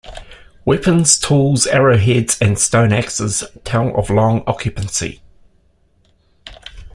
Weapons, tools, arrow heads and stone axes tell of long occupancy.